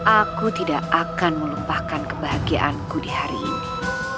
aku tidak akan melumpahkan kebahagiaanku di hari ini